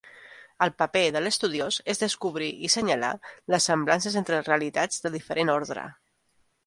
El paper de l'estudiós és descobrir i senyalar les semblances entre realitats de diferent ordre.